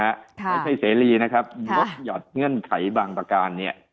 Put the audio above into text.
ไม่ใช่เสรีนะครับลดหยอดเงื่อนไขบางประการเนี่ย